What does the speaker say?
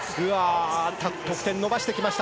得点を伸ばしてきました。